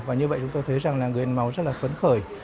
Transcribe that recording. và như vậy chúng tôi thấy rằng là người hiến máu rất là phấn khởi